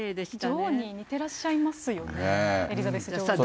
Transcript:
女王に似てらっしゃいますよね、エリザベス女王に。